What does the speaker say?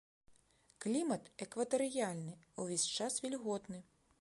Клімат экватарыяльны, увесь час вільготны.